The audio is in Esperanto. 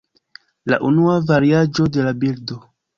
La unua variaĵo de la bildo.